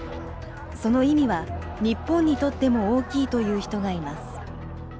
その意味は日本にとっても大きいと言う人がいます。